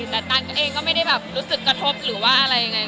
แต่ตันก็เองก็ไม่ได้แบบรู้สึกกระทบหรือว่าอะไรยังไง